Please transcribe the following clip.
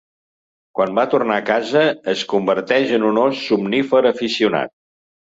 Quan va tornar a casa, es converteix en un ós somnífer aficionat.